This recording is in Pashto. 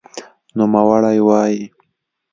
نوموړی وايي